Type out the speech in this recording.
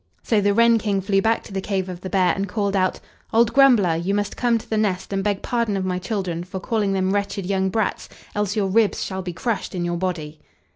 So the wren King flew back to the cave of the bear, and called out, "Old grumbler, you must come to the nest and beg pardon of my children for calling them wretched young brats, else your ribs shall be crushed in your body!"